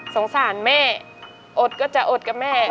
สงสารแม่อดก็จะอดกับแม่